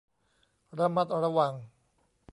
ระมัดระวัง